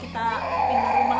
kita pindah rumah aja mas